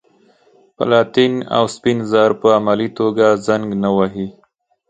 پلاتین او سپین زر په عملي توګه زنګ نه وهي.